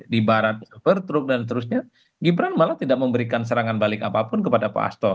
dibarat berturuk dan seterusnya gibran malah tidak memberikan serangan balik apapun kepada pak asto